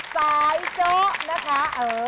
สายเจ้านะคะเอ่อ